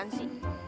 gak mau dihantar